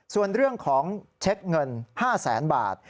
ส่วนเรื่องของเช็คเงิน๕แสนบาท